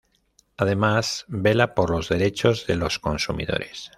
Además vela por los derechos de los consumidores.